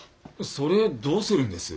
それどうするんです？